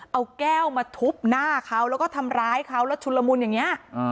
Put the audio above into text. เอาแก้วมาทุบหน้าเขาแล้วก็ทำร้ายเขาแล้วชุนละมุนอย่างนี้